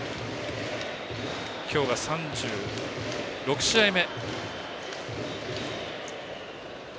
今日が３６試合目。